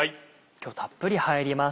今日たっぷり入ります。